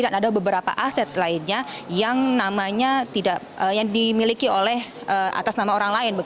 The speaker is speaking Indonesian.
dan ada beberapa aset lainnya yang namanya tidak yang dimiliki oleh atas nama orang lain